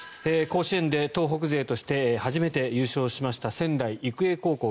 甲子園で東北勢として初めて優勝しました仙台育英高校。